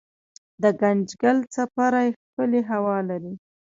دګنجګل څپری ښکلې هوا لري